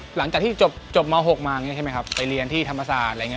หลังจากที่จบม๖มาไปเรียนที่ธรรมสาทอะไรอย่างนี้